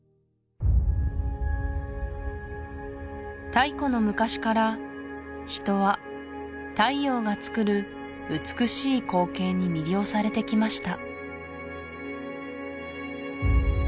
太古の昔から人は太陽がつくる美しい光景に魅了されてきました